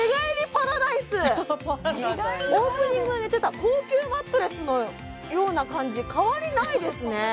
オープニングで寝てた高級マットレスのような感じ変わりないですね